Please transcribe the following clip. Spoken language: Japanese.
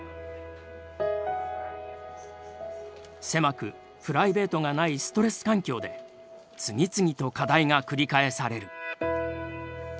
狭くプライベートがないストレス環境で次々と課題が繰り返される。